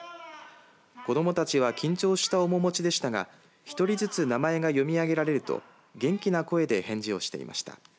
子どもたちは緊張した面持ちでしたが１人ずつ名前が読み上げられると元気な声で返事をしていました。